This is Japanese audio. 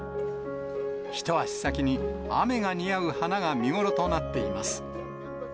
一足先に、雨が似合う花が見頃となっています。